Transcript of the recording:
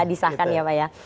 disahkan ya pak ya